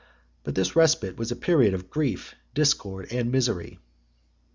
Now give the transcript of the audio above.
But this respite was a period of grief, discord, and misery.